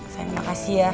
sayang makasih ya